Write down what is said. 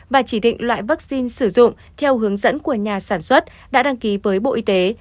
và chỉ định loại vaccine sử dụng theo hướng dẫn của nhà sản xuất đã đăng ký với bộ y tế